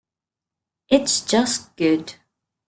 It's just good.